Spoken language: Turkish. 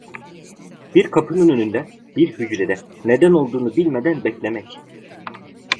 Bir kapının önünde, bir hücrede, neden olduğunu bilmeden beklemek.